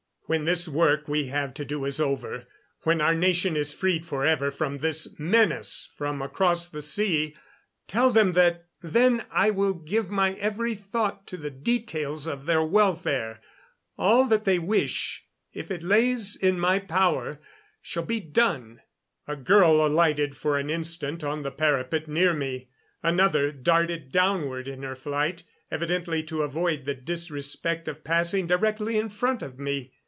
When this work we have to do is over, when our nation is freed forever from this menace from across the sea, tell them that then I will give my every thought to the details of their welfare. All that they wish if it lays in my power shall be done." A girl alighted for an instant on the parapet near me; another, darted downward in her flight, evidently to avoid the disrespect of passing directly in front of me.